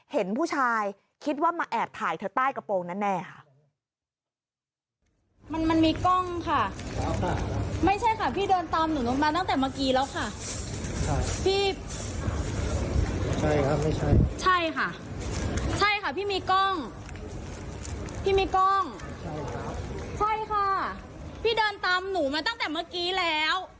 เห็นผู้ชายคิดว่ามาแอบถ่ายเธอใต้กระโปรงแน่ค่ะ